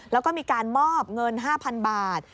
แล้วก็มีการมอบเงิน๕๐๐๐บาท